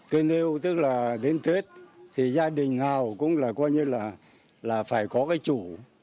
cây nêu tức là đến tết thì gia đình nào cũng là coi như là phải có cái chủ